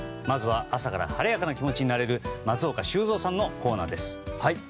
まずは朝から晴れやかな気持ちになれる松岡修造さんのコーナーです。